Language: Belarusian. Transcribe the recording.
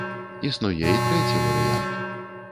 Існуе і трэці варыянт.